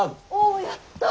おやった！